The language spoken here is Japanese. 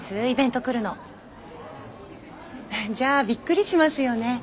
イベント来るの。じゃあびっくりしますよね？